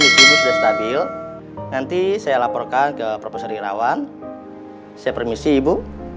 saat ini kondisi sudah stabil nanti saya laporkan ke prof dirawan saya permisi ibu